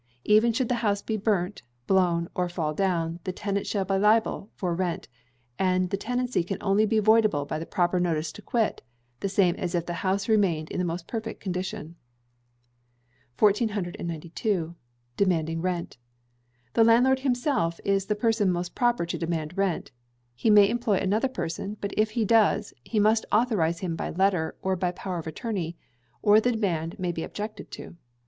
Even should the house be burnt, blown, or fall down, the tenant is still liable for rent; and the tenancy can only be voidable by the proper notice to quit, the same as if the house remained in the most perfect condition. 1492. Demanding Rent. The landlord himself is the person most proper to demand rent; he may employ another person, but if he does, he must authorize him by letter, or by power of attorney; or the demand may be objected to.